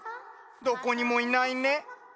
どこにもいないね。